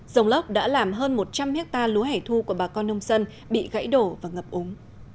dòng lóc đã làm hơn một trăm linh hectare lúa hải thu của bà con nông sân bị gãy đổ và ngập úng